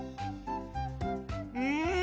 うん！